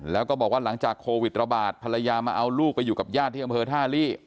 แล้วก็บอกว่าหลังจากโควิดระบาดภรรยามาเอาลูกไปอยู่กับญาติที่อำเภอท่าลี่